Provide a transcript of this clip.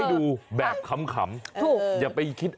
แล้วไงต่อ